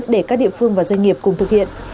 để các địa phương và doanh nghiệp cùng thực hiện